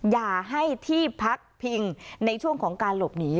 อย่าให้ที่พักพิงในช่วงของการหลบหนี